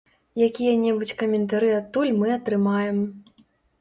Якія-небудзь каментары адтуль мы атрымаем.